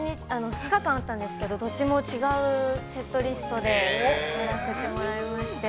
２日間あったんですけどどっちも違うセットリストでやらせてもらいまして。